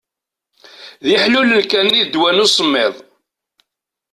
D iḥlulen kan i d ddwa n usemmiḍ.